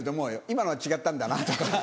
今のは違ったんだなとか。